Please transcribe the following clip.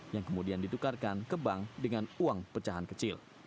yang kemudian ditukarkan ke bank dengan uang pecahan kecil